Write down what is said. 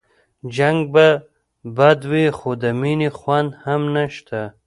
جنګ به بد وي خو د مينې خوند هم نشته